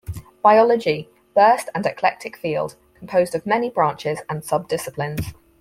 Biology - burst and eclectic field, composed of many branches and subdisciplines.